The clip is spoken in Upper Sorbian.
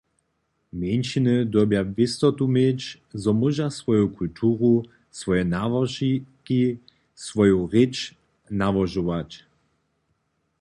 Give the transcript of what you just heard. Mjeńšiny dyrbja wěstotu měć, zo móža swoju kulturu, swoje nałožki, swoju rěč nałožować.